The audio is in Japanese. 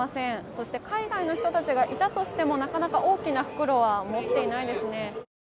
そして海外の人たちがいたとしてもなかなか大きな袋は持っていないですね。